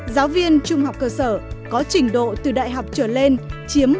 giáo viên trung học cơ sở có trình độ từ đại học trở lên chiếm bảy mươi bốn sáu